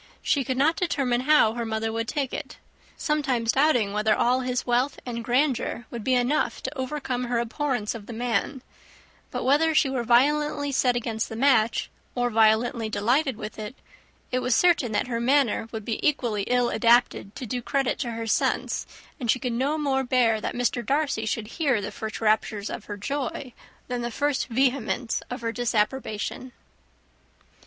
She could not determine how her mother would take it; sometimes doubting whether all his wealth and grandeur would be enough to overcome her abhorrence of the man; but whether she were violently set against the match, or violently delighted with it, it was certain that her manner would be equally ill adapted to do credit to her sense; and she could no more bear that Mr. Darcy should hear the first raptures of her joy, than the first vehemence of her disapprobation.